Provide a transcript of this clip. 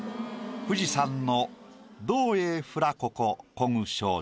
「富士山の胴へふらここ漕ぐ少女」。